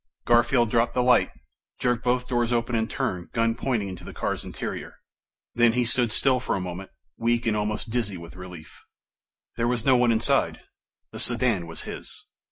Garfield dropped the light, jerked both doors open in turn, gun pointing into the car's interior. Then he stood still for a moment, weak and almost dizzy with relief. There was no one inside. The sedan was his.